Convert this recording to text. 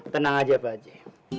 tenang aja pak haji